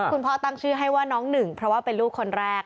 คุณพ่อตั้งชื่อให้ว่าน้องหนึ่งเพราะว่าเป็นลูกคนแรก